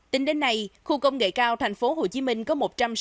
tính đến nay khu công nghệ cao tp hcm có một trăm sáu mươi